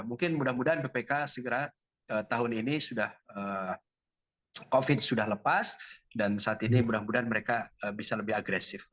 mungkin mudah mudahan bpk segera tahun ini sudah covid sudah lepas dan saat ini mudah mudahan mereka bisa lebih agresif